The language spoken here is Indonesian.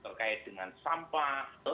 terkait dengan sampah